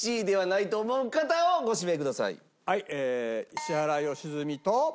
石原良純と。